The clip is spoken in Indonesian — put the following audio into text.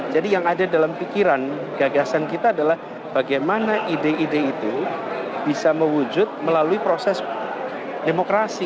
jadi yang ada dalam pikiran gagasan kita adalah bagaimana ide ide itu bisa mewujud melalui proses demokrasi